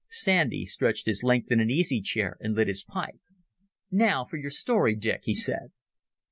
Sandy stretched his length in an easy chair and lit his pipe. "Now for your story, Dick," he said.